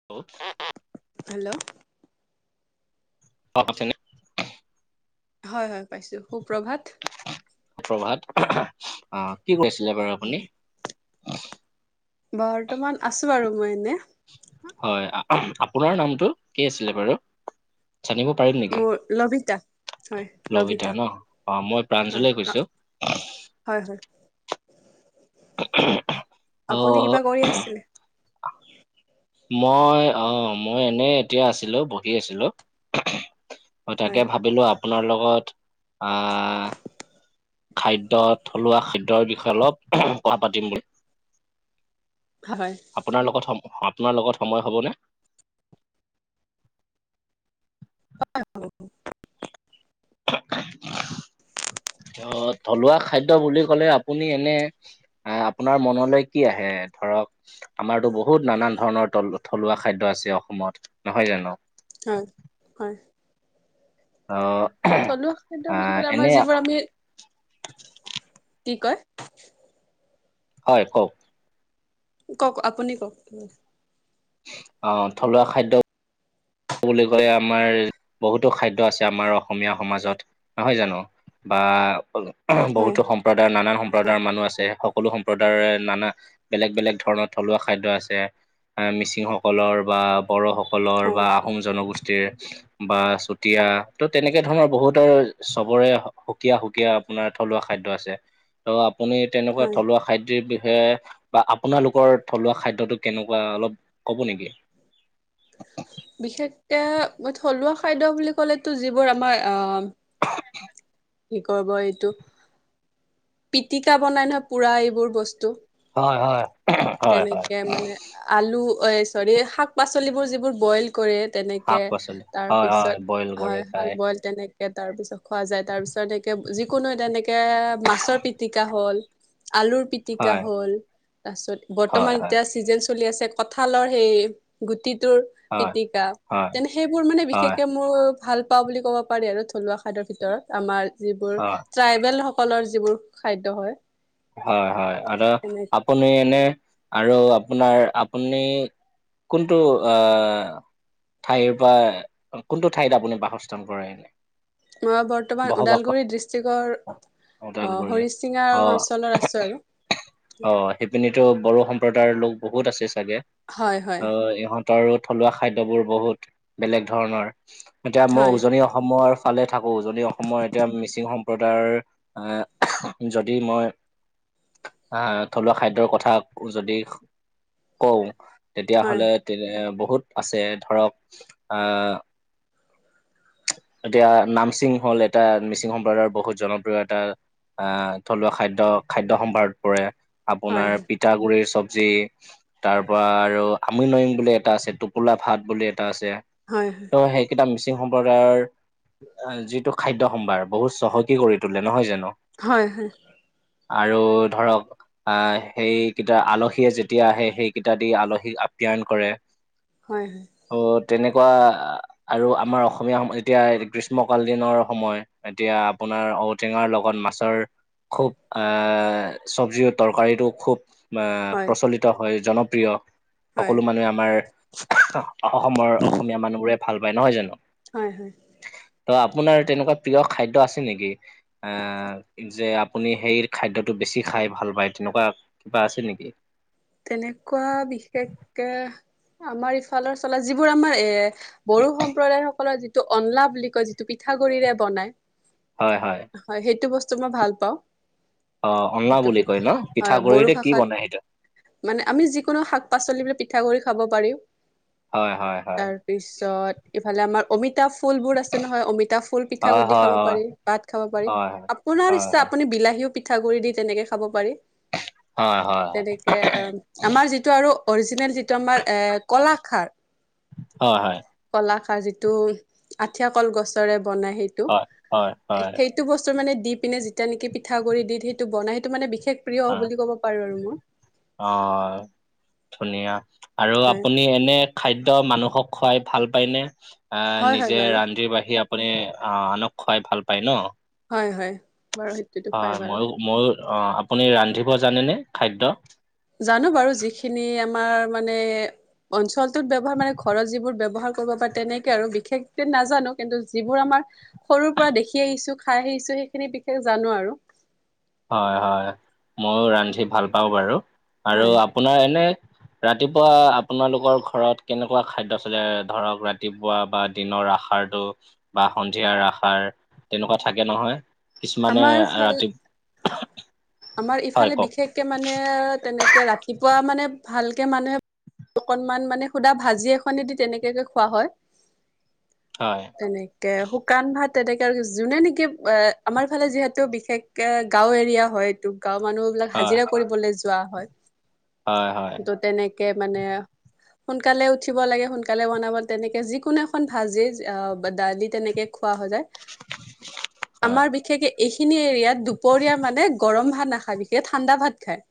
[unintelligible] Hello? অ', আছে নে? হয়, হয়, পাইছো সু প্ৰ্ৰভাত। সুপ্ৰভাত অ', কি কৰি আছিলে বাৰু আপুনি? বৰ্তমান আছো আৰু মই এনে। হয়, আপোনাৰ নামটো কি আছিলে বাৰু? জানিব পাৰিম নে? মোৰ লবিতা। লভিতা ন' অ', মই হয় প্ৰাঞ্জলে কৈছো। হয়, হয়, আপুনি অ কিবা কৰি আছিলে? মই অ', মই এনে এতিয়া আছিলোঁ, বহি আছিলোঁ। হয়, তাকে ভাবিলো আপোনাৰ লগত আহ খাদ্য থলুৱা খাদ্যৰ বিষয়ে অলপ কথা পাতিম বুলি। হয়। আপোনাৰ লগত সম আপোনাৰ লগত সময় হ'ব নে? [unintelligible] অ', থলুৱা খাদ্য বুলি ক'লে আপুনি এনে অ', আপোনাৰ মনলৈ কি আহে ধৰক আমাৰতো বহুত নানান ধৰণৰ থলুৱা খাদ্য আছে অসমত, নহয় জানো? হয়, হয়। অ'। থলুৱা খাদ্য বুলি আহ ক'লে এনে আমাৰ যিবোৰ আমি, কি কয়? হয়, কওক। কওক আপুনি কওক। অ', থলুৱা খাদ্য কবলৈ গ'লে আমাৰ বহুতো খাদ্য আছে আমাৰ অসমীয়া সমাজত নহয় জানো? বা হয় বহুতো সম সম্প্ৰদায়ৰ নানান সম্প্ৰদায়ৰ মানুহ আছে সকলো সম্প্ৰদায়ৰ নানা বেলেগ বেলেগ ধৰণৰ থলুৱা খাদ্য আছে এ মিচিংসকলৰ বা বড়সকলৰ হয় বা আহোম জনগোষ্ঠীৰ। বা চুতিয়া ত' তেনেকে ধৰণৰ বহুতৰ চবৰে সুকীয়া সুকীয়া আপোনাৰ থলুৱা খাদ্য আছে, ত' আপুনি তেনেকুৱা হয় থলুৱা খাদ্যৰ বিষয়ে বা আপোনালোকৰ থলুৱা খাদ্যটো কেনেকুৱা অলপ ক'ব নেকি? বিশেষকৈ থলুৱা খাদ্য বুলি ক'লেতো যিবোৰ আমাৰ [inaudible] কি কৰিব এইটো পিটিকা বনাই নহয়, পোৰা এইবোৰ বস্তু। হয় হয়। তে হয় হয়। তেনেকে মানে আলু এ চৰি শাক-পাচলিবোৰ যিবোৰ বইল কৰে শাক তেনেকে পাচলি হয় হয় তাৰপিছত বইল কৰি হয় খায় হাল বইল তেনেকে তাৰ পিছত খোৱা যায় তাৰ পিছ এতেকে যিকোনো তেনেকে মাছৰ পিটকা হ'ল, আলুৰ পি টিকা হয় হল, তাছত হয় বৰ্তমান হয় এতিয়া চি চিজন চলি আছে কঁঠালৰ সেই গুটিটোৰ হয় পিটিকা হয় তেনে সেইবোৰ মানে হয় বিশেষকে মো ভাল পাও বুলি ক'ব পাৰি আৰু থলুৱা খাদ্যৰ ভিতৰত আমাৰ যিবোৰ ট্ৰাইবেল সকলৰ যিবোৰ খাদ্য হয় হয় হয়, আৰু তেনে আপুনি এনে আৰু আপোনাৰ আপুনি কোনটো আ ঠাইৰ পা কোনটো ঠাইত আপুনি বাসস্থান কৰে এনে? মই বৰ্তমান বসবাস কৰে ওদালগুৰি ডিষ্ট্ৰিকৰ অ, অ ওদালগুৰি অ হৰিচিঙাৰ অঞ্চলৰ আছোঁ আৰু অ সেইপিনে টো বড়ো সম্প্ৰদায়ৰ লোক বহুত আছে চাগে, হয় হয় অ ইহঁত তৰো থলুৱা খাদ্যবোৰ বহুত বেলেগ ধৰণৰ এতিয়া মই হয় উজনি অসমৰ ফালে থাকো যদি অসমৰ এতিয়া মিচিং সম্প্ৰদায়ৰ এ যদি মই আহ থলুৱা খাদ্যৰ কথা যদি কওঁ হয় তেতিয়াহলে তেনে বহুত আছে ধৰক আহ এতিয়া নামচিং হ'ল এটা মিচিং সম্প্ৰদায়ৰ বহুত জনপ্ৰিয় এটা আহ থলুৱা খাদ্য খাদ্যয় সম্ভাৰত পৰে হয় আপোনাৰ পিঠাগুৰিৰ চব জি তাৰ পৰা আৰু আমনইং বুলি এটা আছে, টোপোলা ভাট বুলি এটা আছে হয় হয় অ সেকেটা মিচিং সম ম্প্ৰদায়ৰ যিটো খাদ্য সম্ভাৰ বহুত চহকী কৰি তোলে নহয় জানোঁ হয় হয় আৰু ধৰক আহ সেইকেইটা আলহীয়ে যেতিয়া আহে, সেইকেইটা দি আলহীক আপ্যায়ন কৰে হয় হয় অ তেনেকুৱা আৰু আমাৰ অস অসমীয়া সম এতিয়া গ্ৰীষ্মকাল দিনৰ সময় এতিয়া আপোনাৰ ঔটেঙাৰ লগত মাছৰ খুব এ চব্জিও তৰকাৰীটো খুব মে হয় প্ৰচলিত হয়, জনপ্ৰিয় সকলো মানুহে আমাৰ অসমৰ অসমীয়া মানুহবোৰে ভাল পায় নহয় জানো হয় হয় ত' আপোনাৰ তেনেকুৱা প্ৰিয় খাদ্য আছে নেকি আহ যে আপুনি সেইৰ খাদ্যটো বেছি খাই ভাল পায় তেনেকুৱা কিবা আছে নেকি? তেনেকুৱা বিশেষকে আমাৰ ইফালৰ চলা যিবোৰ আমাৰ এ বড়ো সম্প্ৰদায় সকলৰ যিটো অনলা বুলি কয় যিটো পিঠাগুৰিৰে বনায় হয় হয় হয় সেইটো বস্তু মই ভাল পাওঁ। অ অনলা সেইটো বুলি পিঠা কয় ন, হয় বড়ো পিঠাগুড়িটো কি ভাষাত বনাই সেইটো মানে আমি যিকোনো শাক-পাচলিবিৰ পিঠাগুৰি খাব পাৰিও হয় হয় হয় পিছত ইফালে আমাৰ অমিতা ফুল বোৰ আছে নহয় অমিতাভ হয় পিঠাগুটি হয় খাব হয় পাৰি, ভাত খাব পাৰি। হয় আপোনাৰ হয় ইচ্ছা আপুনি বিলাহীও পিঠাগুড়ি দি তেনেকে খাব পাৰি। হয় হয় হয়। তেনেকে আমাৰ যিটো আৰু অৰিজিনেল যিটো আমাৰ এ কলাখাৰ হয় হয়। কলাখাৰ যিটো আঠিয়া কল গছৰে বনাই সেইটো, হয় হয় হয় হয় সেই টো বস্তু মানে দি পিনে যেতিয়া নেকি পিঠাগুড়ি দি সেইটো বনাই সেইটো মানে বিশেষ প্ৰিয় হয় বুলি ক'ব পাৰো আৰু ন'? অ' ধুনীয়া, আৰু হয় আপুনি এনে খাদ্য মানুহক খুৱাই ভাল পায় নে? আহ হয় হয় নিজে বাৰু ৰান্ধি-বাঢ়ি মানে আনক খুৱাই ভাল পায় ন? হয় হয়। বাৰু সেই হয় মইয়ো মইয়ো অ' আপুনি ৰান্ধিব জানেনে, খাদ্য? জানো বাৰু যিখিনি আমাৰ মানে অঞ্চলটোত ব্যৱহাৰ মানে ঘৰত যিবোৰ ব্যৱহাৰ কৰিব পাই তেনেকে আৰু বিশেষকে নাজানো কিন্তু যিবোৰ আমাৰ সৰুৰ পৰা দেখি আহিছোঁ, খাই আহিছোঁ সেইখিনি বিশেষ জানো আৰু। হয় হয়, মইও ৰান্ধি ভাল পাওঁ বাৰু আৰু হয়। আপোনাৰ এনে ৰাতিপুৱা আপোনালোকৰ ঘৰত কেনেকুৱা খাদ্য চলে? ধৰক ৰাতিপুৱা বা দিনৰ আষাৰটো বা সন্ধিয়াৰ আষাৰ তেনেকুৱা থাকে নহয়? কিছুমানে আমাৰ ইফালে ৰাতি আমাৰ হয় ইফালে কওক বিশেষকে মানে তেনেকে ৰাতিপুৱা মানে ভালকে মানহে অকনমান মানে সুদা ভাজি এখনেদি তেনেকেকে খোৱা হয়। হয়। তেনেকে শুকান ভাত তেনেকে আৰু যোনে নেকি আমাৰ ফালে যিহেতু বিশেষ কে গাও এৰিয়া হয়টো গাওৰ মানুহ বিলাক হয় হাজিৰা কৰিবলৈ যোৱা হয় হয় হয়। ত' তেনেকে মানে সোনকালে উঠিব লাগে, সোনকালে বনাব তেনেকে যিকোনো এখন ভাজি, দালি তেনেকে খোৱা হৈ যায়। হয় আমাৰ বিশেষকে এইখিনি এৰিয়াত দূপৰীয়া মানে গৰম ভাত নাখায় বিশেষ ঠাণ্ডা ভাত খায়।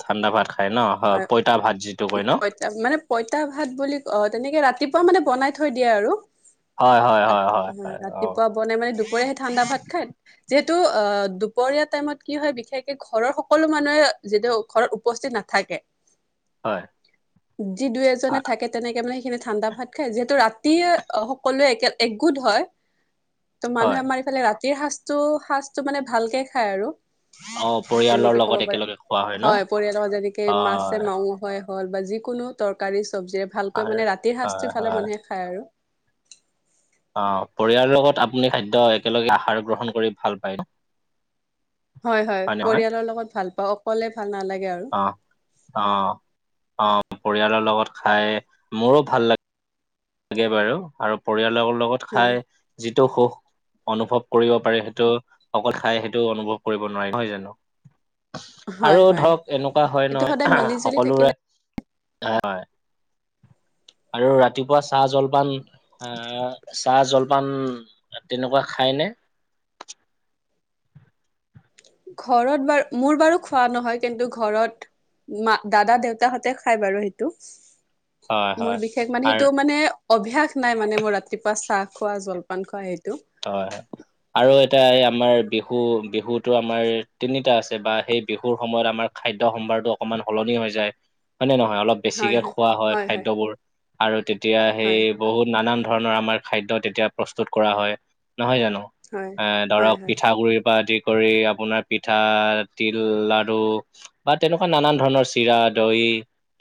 ঠাণ্ডা ভাত খাই ন? হয়, পইতা ভাত যিটো কয় ন? পইতা মানে পইতা ভাত বুলি অ তেনেকে ৰাতিপুৱা মানে বনাই থৈ দিয়ে আৰু। হয় হয় হয় হয় হয় অ ৰাতিপুৱা বনাই মানে দুপৰীয়া হেত ঠাণ্ডা ভাত খাই, যিহেতু অ' দুপৰীয়া টাইমত কি হয় বিশেষকে ঘৰৰ সকলো মানুহে যেদিয়া ঘৰত উপস্থিত নাথাকে হয় যি দুই-এজনে থাকে তেনেকে মানে সেইখিনি ঠাণ্ডা ভাত খায়, যিহেতু ৰাতিয়ে সকলোৱে একে একগোট হয় ত' মানুহে হয় আমাৰ ইফালে ৰাতিৰ সাজটো, সাঁজটো মানে ভালকে খায় আৰু। অ'ৱ তেনেকে ক'ব পাৰে, হয় পৰিয়ালৰ যেনেকে মাছে, হয় মাংসই হ'ল বা যিকোনো তৰকাৰী, চব্জিৰে ভালকৈ মানে ৰাতিৰ হয় সাঁজটোফালে হয় মানুহে খায় আৰু। অ' পৰিয়াল লগত আপুনি খাদ্য একেলগে আহাৰ গ্ৰহণ কৰি ভাল পায় নে? হয় হয়, পৰিয়ালৰ লগত ভাল পাওঁ অকলে ভাল নালাগে আৰু। অ, অঁ, অঁ পৰিয়ালৰ লগত খাই মোৰো ভাল লা- লাগে বাৰু আৰু পৰিয়ালৰৰ লগত হয় খাই যিটো সুখ অনুভৱ কৰিব পাৰি সেইটো অকল খাই সেইটো অনুভৱ কৰিব নোৱাৰি নহয় জানো? আৰু হয় হয় ধৰক এনেকুৱা হয় এইটো সদায় নহয় মিলি জুলি থাকিলে সকলোৰে হয়। আৰু ৰাতিপুৱা চাহ জলপান আহ চাহ জলপান। তেনেকুৱা খাইনে। ঘৰত বাৰো মোৰ বাৰো খোৱা নহয় কিন্তু ঘৰত। মা, দাদা, দেউতাহতে খাই বাৰু সেইটো হয়, হয় মোৰ বিশেষ মানে আৰু সেইটো মানে। অভ্যাস নাই মানে মোৰ ৰাতিপুৱা চাহ খোৱা জলপান খোৱা সেইটো। হয় হয়। আৰু এটা এই আমাৰ বিহু বিহুতো আমাৰ তিনিটা আছে বা সেই বিহুৰ সময়ত আমাৰ। খাদ্যয় সম্ভাৰটো অকমান সলনি হৈ যায় হয় নে নহয় অলপ। বেছিকে খোৱা হয় খাদ্যবোৰ আৰু তেতিয়া হয় সেই। বহুত নানান ধৰণৰ আমাৰ খাদ্য যেতেতিয়া প্ৰস্তুত কৰা হয় নহয় জানো। হয় এ হয় ধৰক হয় পিঠা গুৰি বা আদি। কৰি আপোনাৰ পিঠা, তিল, লাডু। বা তেনেকুৱা নানান ধৰণৰ চিৰা, দৈ।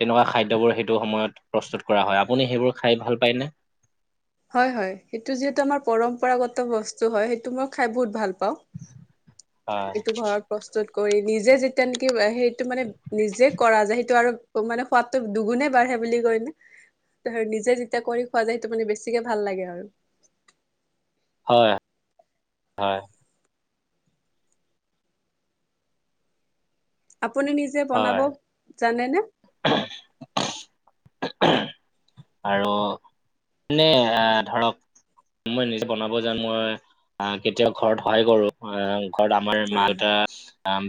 তেনেকুৱা খাদ্যবোৰ সেইটো সময়ত প্ৰস্তুত কৰা হয় আপুনি সেইবোৰ খাই ভাল পায়নে। হয় হয় সেইটো যিহেতু আমাৰ পৰম্পৰাগত বস্তু হয় সেইটো মই খাই বহুত ভাল পাওঁ। হয় এইটো ঘৰত প্ৰস্তুত কৰি নিজে যেতিয়া নেকি হেৰিটো মানে। নিজে কৰা যায় সেইটো আৰু। ত মানে সোৱাদটো দুগুণে বাঢ়ে বুলি কয় ন নিজে যেতিয়া কৰি খোৱা যায় সেইটো মানে। গতিকে ভাল লাগে আৰু। হয় হয়। আপুনি নিজে বনাব হয় জানেনে। আৰু। মানে আ ধৰক। মই নিজে বনাব যানো মই আহ কেতিয়াও ঘৰত সহায় কৰো অ। ঘৰত আমাৰ এ হয় মাল এটা।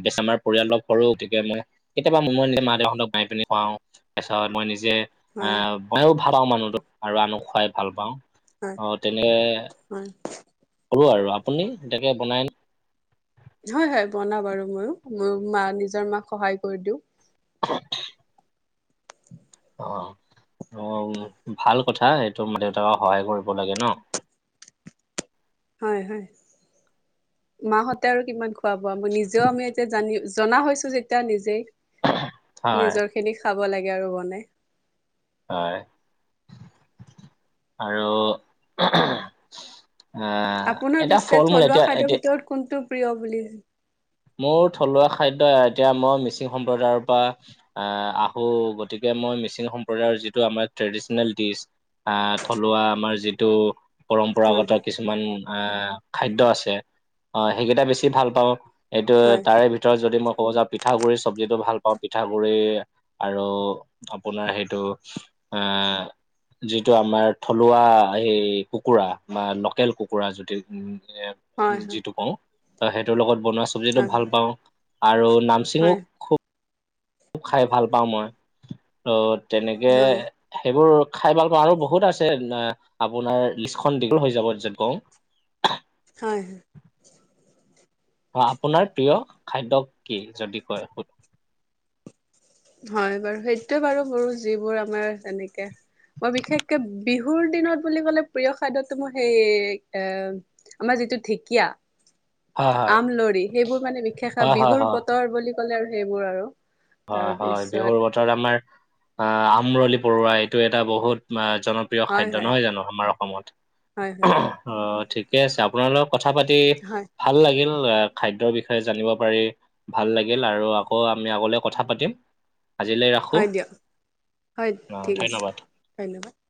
বেছ আমাৰ পৰিয়াল সৰু গতিকে মই কেতিয়াবা মই নিজে মা দেউহঁতক মাই পিনি খুৱাও। তাৰছত মই নিজে হয় আহ মই ভাল পাও মানুহটো আৰু আনক খুৱাই ভাল পাওঁ। হয় অ তেনেকে হয় কৰো আৰু আপুনি এনেকে বনাই নে। হয় হয় বনাও বাৰু মই ময়ো মা নিজৰ মাক সহায় কৰি দিওঁ। অ অ ভাল কথা এইটো মা দেউতাকক সহায় কৰিব লাগে ন। হয় হয় মা হতে আৰু কিমান। পোৱা পোৱা নিজেও আমি এতিয়া জানি জনা হৈছো যেতিয়া নিজেই হয় নিজৰ। সেই খিনি খাব লাগে আৰু বনাই। হয় আৰু। অ আপোনাৰ এতিয়া পিছে ফল-মূল থলুৱা এতিয়া খাদ্যৰ এতিয়া। ভিতৰত কোনটো প্ৰিয় বুলি। মোৰো থলুৱা খাদ্য এ এতিয়া মই মিচিং সম্প্ৰদায়ৰ পৰা্ আহ আহো গতিকে মই মিচিং সম্প্ৰদায়ৰ যিটো আমাৰ ট্ৰেডিচনেল ডিচ। আহ থলুৱা আমাৰ যিটো। পৰম্পৰাগত হয় কিছুমান আহ খাদ্য আছে অ সেইকেইটা বেছি ভাল পাওঁ। এইটো হয় তাৰে ভিতৰত যদি মই কওঁ যাওঁ পিঠাগ গুৰিৰ চব্জিটো ভাল পাওঁ পিঠাগ গুৰি। আৰু আপোনাৰ সেইটো আহ। যিটো আমাৰ থলুৱা এই কুকুৰা বা লোকেল কুকুৰা যদি। হয় এইপ। হয় যিটো কওঁ ত' সেইটোৰ লগত বনোৱা চবজিটো হয় ভাল পাওঁ আৰু নামচিঙো- হয় খুব খাই ভাল পাওঁ মই। ত' তেনেকে- হয় সেইবোৰ খাই ভাল পাওঁ আৰু বহুত আছে আপোনাৰ লিষ্টখন দীঘল হৈ যাব গৈ। হয়। অহ', আপোনাৰ প্ৰিয় খাদ্য কি যদি কয়, সুধ হয় বাৰু সেইটোয়ে বাৰু বো যিবোৰ আমাৰ তেনেকে মই বিশেষকে বিহু- বিহুৰ দিনত বুলি ক'লে প্ৰিয় খাদ্যটো মোৰ সেই এ আমাৰ যিটো ঢেকীয়া- হয় আমলৰি সেইবোৰ মানে বিশষ হয় হয় হয় বিহুৰ হয় বতৰ বুলি ক'লে আৰু সেইবোৰ আৰু। হয়-হয়, তাৰপিছত বিহুৰ বতৰত আমাৰ আমৰলি পৰুৱা এইটো এটা বহুত জনপ্ৰি- প্ৰিয় হয় খাদ্য হয় নহয় জানো আমাৰ অসমত। হয় হয় অ ঠিকে আছে আপোনালোক- কথা পাতি- হয় ভাল লাগিল, খাদ্যৰ বিষয়ে জানিব পাৰি ভাল লাগিল আৰু আকৌ আমি আগলৈ- কথা পাতিম। আজিলৈ ৰাখোঁ হয় দিয়ক হয় অ ঠিক আছে ধন্যবাদ। ধন্যবাদ।